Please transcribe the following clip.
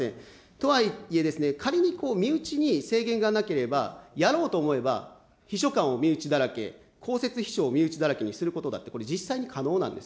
とはいえ、仮に身内に制限がなければ、やろうと思えば秘書官を身内だらけ、公設秘書を身内だらけにすることだって、これ、実際に可能なんです。